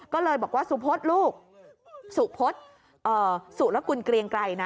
ก็เลยบอกว่าสุพศลูกสุรกุลเกรียงไกรนะ